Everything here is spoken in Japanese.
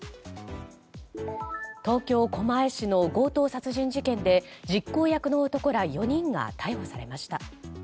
東京・狛江市の強盗殺人事件で実行役の男ら４人が逮捕されました。